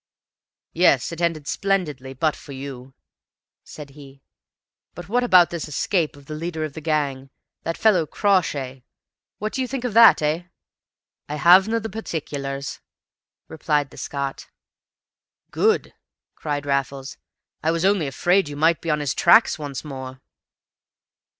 "Yes, it ended splendidly, but for you," said he. "But what about this escape of the leader of the gang, that fellow Crawshay? What do you think of that, eh?" "I havena the parteeculars," replied the Scot. "Good!" cried Raffles. "I was only afraid you might be on his tracks once more!"